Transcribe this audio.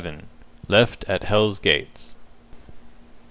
LEFT AT "HELL'S GATES."